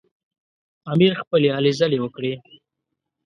امیر خپلې هلې ځلې وکړې.